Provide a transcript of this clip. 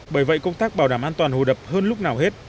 bởi vậy công tác bảo đảm an toàn hồ đập hơn lúc nào hết